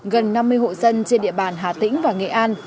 gần năm mươi hộ dân trên địa bàn hà tĩnh và nghệ an